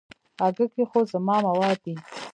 اگه کې خو زما مواد دي.